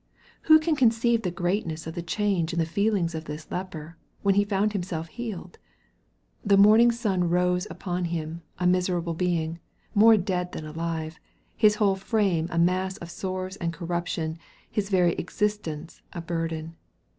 Who can conceive the greatness of the change in the feelings of this leper, when he found himself healed ? The morning sun rose upon him, a miserable being, more dead than alive, his whole frame a mass of sores and corruption, his very existence a burden.